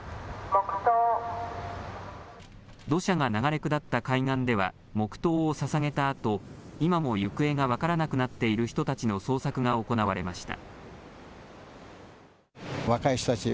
土砂が流れ下った海岸では黙とうをささげたあと今も行方が分からなくなっている人たちの捜索が行われました。